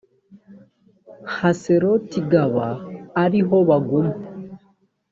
haseroti g aba ari ho baguma